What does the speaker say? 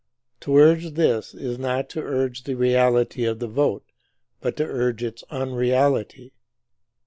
To urge this is not to urge the reality of the vote, but to urge its unreality.